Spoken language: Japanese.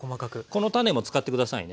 この種も使って下さいね。